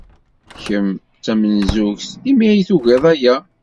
Kemm d tamenzugt imi ay tugid aya.